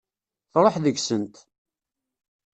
Truḥ deg-sent.